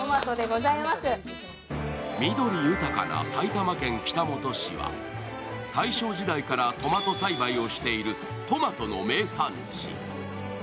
緑豊かな埼玉県北本市は大正時代からトマト栽培をしているトマトの名産地。